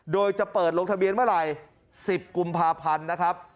โดยจะเปิดลงทะเบียนเมื่อไหร่๑๐กุมภาพันธ์นะครับ